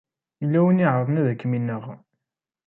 Yella win i iɛeṛḍen ad kem-ineɣ.